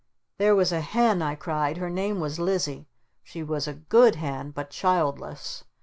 There was a hen," I cried. "Her name was Lizzie! She was a good hen! But childless!